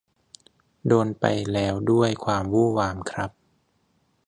โดนไปแล้วด้วยความวู่วามครับ